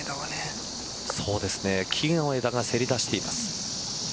そうですね木の枝がせり出しています。